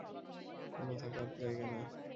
কোনো থাকার জায়গা না।